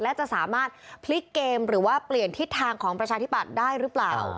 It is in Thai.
และจะสามารถพลิกเกมหรือว่าเปลี่ยนทิศทางของประชาธิปัตย์ได้หรือเปล่า